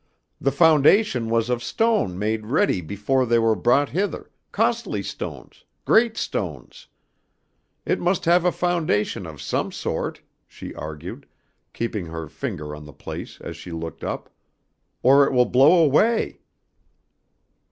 The foundation was of stone made ready before they were brought hither, costly stones, great stones. It must have a foundation of some sort," she argued, keeping her finger on the place as she looked up, "or it will blow away."